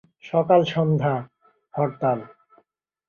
তিনি সাতারার দিকে এগিয়ে যান এবং তারাবাঈ তার অভ্যর্থনা করেন।